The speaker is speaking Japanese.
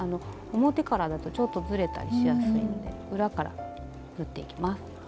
表からだとちょっとずれたりしやすいので裏から縫っていきます。